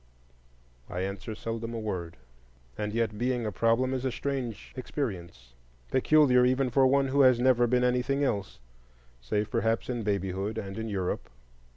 I answer seldom a word. And yet, being a problem is a strange experience,—peculiar even for one who has never been anything else, save perhaps in babyhood and in Europe.